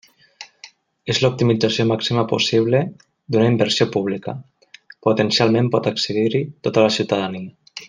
És l'optimització màxima possible d'una inversió pública: potencialment pot accedir-hi tota la ciutadania.